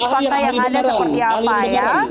fakta yang ada seperti apa ya